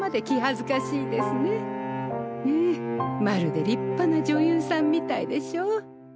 ねえまるで立派な女優さんみたいでしょ？